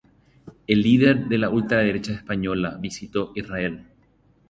El líder de la ultraderecha española visitó Israel